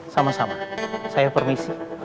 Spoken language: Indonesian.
sama sama saya permisi